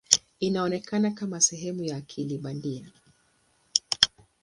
Inaonekana kama sehemu ya akili bandia.